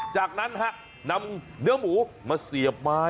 จากนั้นนำเนื้อหมูมาเสียบไม้